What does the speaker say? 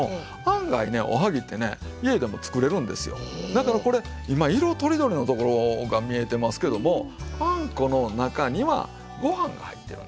だからこれ今色とりどりのところが見えてますけどもあんこの中にはご飯が入ってるんですよ。